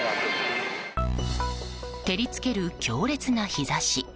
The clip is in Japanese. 照り付ける強烈な日差し。